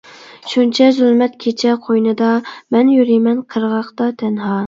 شۇنچە زۇلمەت كېچە قوينىدا، مەن يۈرىمەن قىرغاقتا تەنھا.